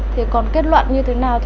thì còn kết luận như thế nào